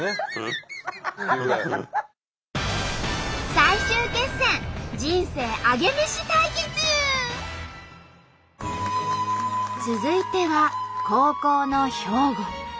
最終決戦続いては後攻の兵庫。